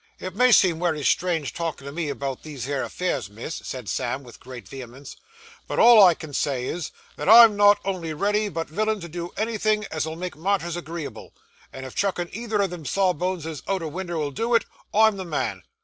'It may seem wery strange talkin' to me about these here affairs, miss,' said Sam, with great vehemence; 'but all I can say is, that I'm not only ready but villin' to do anythin' as'll make matters agreeable; and if chuckin' either o' them sawboneses out o' winder 'ull do it, I'm the man.